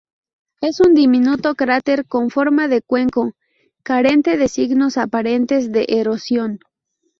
Es un diminuto cráter con forma de cuenco, carente de signos aparentes de erosión.